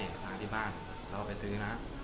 เป็นทางที่บ้านเราเอาไปซื้อนะ